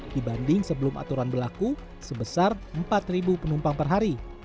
dibanding sebelum aturan berlaku sebesar empat penumpang per hari